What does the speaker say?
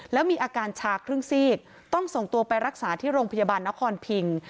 แล้วมีอาการชาครึ่งซีกต้องส่งตัวไปรักษาที่โรงพยาบาลนครพิง